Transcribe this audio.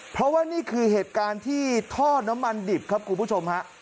เพราะว่านี่คือเหตุการณ์ที่ท่อน้ำมันดิบครับคุณผู้ชมฮะ